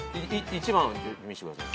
１番見せてください。